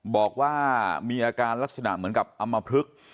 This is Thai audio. บอกว่ามีอาการลักษณะเหมือนกับอำมพลึก